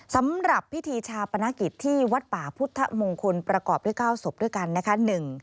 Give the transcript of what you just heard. สำหรับพิธีชาปนกิจที่วัดป่าพุทธมงคลประกอบด้วย๙ศพด้วยกันนะคะ